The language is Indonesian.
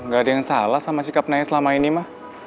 gak ada yang salah sama sikap naya selama ini mah